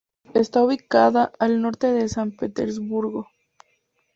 Está ubicada al norte de San Petersburgo.